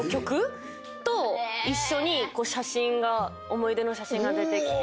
思い出の写真が出てきて。